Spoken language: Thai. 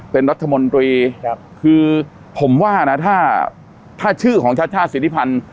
เป็นรัฐมนตรีคือผมว่านะถ้าถ้าชื่อของชาติชาติสิทธิพันธ์